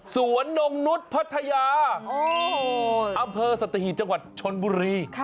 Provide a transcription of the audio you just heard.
นงนุษย์พัทยาอำเภอสัตหีบจังหวัดชนบุรี